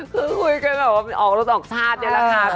คือคุยกันออกรถออกชาติเนี่ยนะคะ